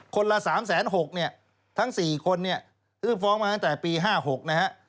คนละ๓๖๐๐๐๐เนี่ยทั้ง๔คนฟ้องมาตั้งแต่ปี๕๖นะครับ